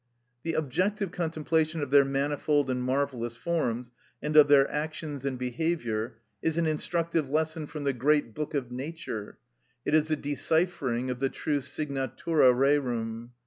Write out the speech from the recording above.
The objective contemplation of their manifold and marvellous forms, and of their actions and behaviour, is an instructive lesson from the great book of nature, it is a deciphering of the true signatura rerum.